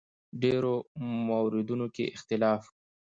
ډېرو موردونو کې اختلاف و.